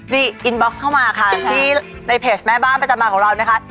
นี่อินบ็อกซ์เข้ามาค่ะที่ในเพจแม่บ้านประจำบานของเรานะคะ